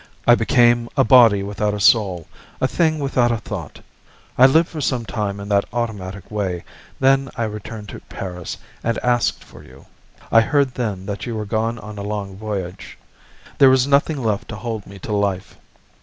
I became a body without a soul, a thing without a thought; I lived for some time in that automatic way; then I returned to Paris, and asked after you; I heard then that you were gone on a long voyage. There was nothing left to hold me to life.